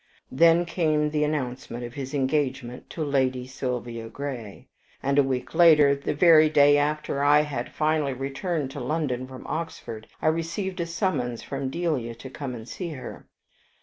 Then came the announcement of his engagement to Lady Sylvia Grey; and a week later, the very day after I had finally returned to London from Oxford, I received a summons from Delia to come and see her.